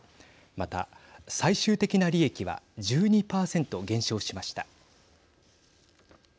また最終的な利益は１２％減少しました。